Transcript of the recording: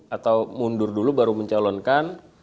atau mundur dulu baru mencalonkan